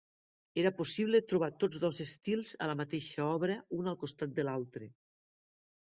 Era possible trobar tots dos estils a la mateixa obra, un al costat de l'altre.